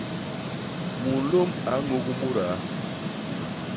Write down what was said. Munlôm a ñôk mudaa.